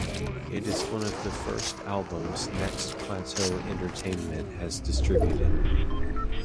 It is one of the first albums Next Plateau Entertainment has distributed.